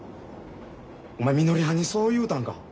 お前みのりはんにそう言うたんか？